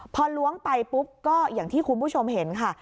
พอล้วงไปปุ๊บก็อย่างที่คุณผู้ชมเห็นค่ะ